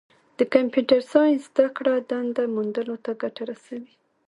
د کمپیوټر ساینس زدهکړه دنده موندلو ته ګټه رسوي.